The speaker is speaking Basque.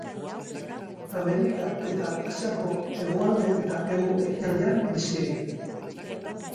Amerika eta Asiako hegoalde eta hego-ekialdean bizi dira.